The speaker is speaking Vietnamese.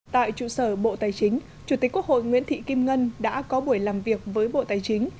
tại trụ sở bộ tài chính chủ tịch quốc hội nguyễn thị kim ngân đã có buổi làm việc với bộ tài chính